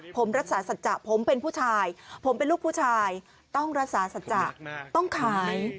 ผมรักษาสัจจะผมเป็นผู้ชายผมเป็นลูกผู้ชายต้องรักษาสัจจะต้องขาย